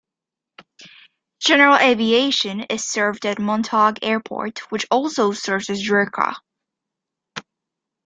General aviation is served at Montague Airport, which also serves Yreka.